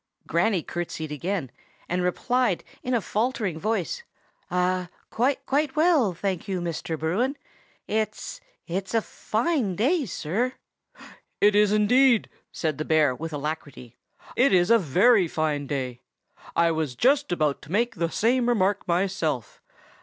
Granny courtesied again, and replied in a faltering voice, "Quite well, thank you, Mr. Bruin. It's—it's a fine day, sir." "It is indeed!" said the bear with alacrity. "It is a very fine day. I was just about to make the same remark myself.